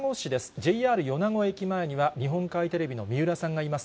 ＪＲ米子駅前には日本海テレビの三浦さんがいます。